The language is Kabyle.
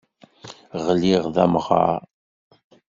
Ɣliɣ d amɣar.